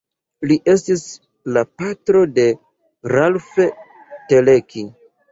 Li estis la patro de Ralph Teleki.